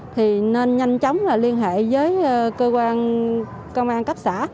thì nên nhanh chóng liên hệ với cơ quan công an cấp xã